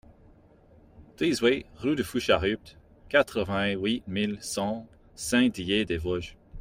dix-huit rue de Foucharupt, quatre-vingt-huit mille cent Saint-Dié-des-Vosges